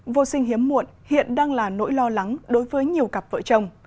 vô sinh hiếm muộn hiện đang là nỗi lo lắng đối với nhiều cặp vợ chồng